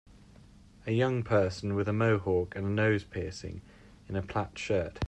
A young person with a Mohawk and a nose piercing in a plaid shirt.